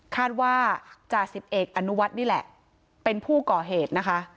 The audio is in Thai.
คาดว่าจ่าสิบเอกอนุวัฒน์นี่แหละเป็นผู้ก่อเหตุนะคะ